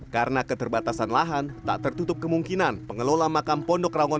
karena keterbatasan lahan tak tertutup kemungkinan pengelola makam pondok rangon